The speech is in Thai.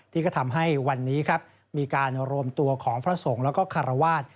ที่ก็ทำให้วันนี้มีการโรมตัวของพระสงฆ์และคาราวาท